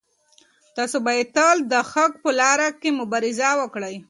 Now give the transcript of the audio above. تاسو باید تل د حق په لاره کې مبارزه وکړئ.